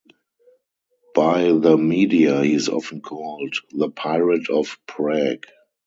By the media he is often called "the pirate of Prague".